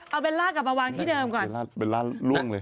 เอาเบลลากับเอาวางที่เดิมก่อน